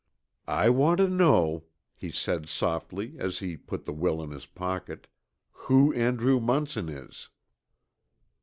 "I want to know," he said softly as he put the will in his pocket, "who Andrew Munson is."